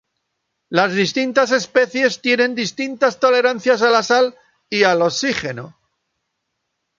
Las distintas especies tienen distintas tolerancias a la sal y al oxígeno.